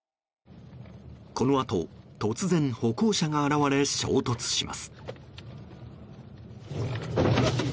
このあと突然、歩行者が現れ衝突します。